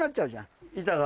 板が。